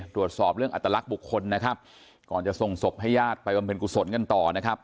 ตรวจสอบเรื่องอัตลักษณ์บุคคลนะครับก่อนจะส่งศพให้ญาติไปบำเพ็ญกุศลกันต่อนะครับ